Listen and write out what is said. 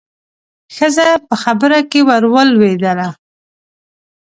ښځه په خبره کې ورولوېدله.